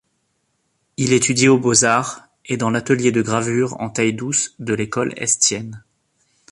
Il étudie aux Beaux-Arts et dans l'atelier de gravure en taille-douce de l'École Estienne.